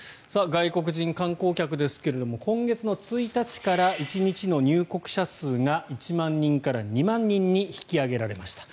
外国人観光客ですが今月１日から１日の入国者数が１万人から２万人に引き上げられました。